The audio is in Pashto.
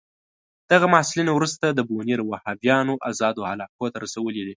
دغه محصلین وروسته د بونیر وهابیانو آزادو علاقو ته رسولي دي.